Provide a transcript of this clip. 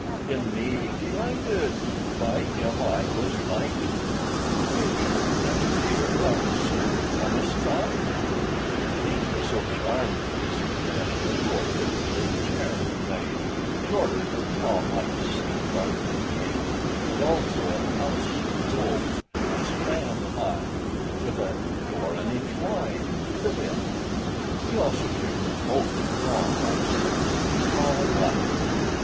In me he delighted, By him I was knighted; Did you never hear of Sir Thomas Thumb?" The King was so charmed with this address that he ordered a little chair to be made, in order that Tom might sit upon his table, and also a palace of gold, a span high, with a door an inch wide, to live in. He also gave him a coach, drawn by six small mice.